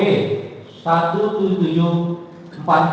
di antara mobil mobil yang dianggap